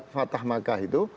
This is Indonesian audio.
fathom makkah itu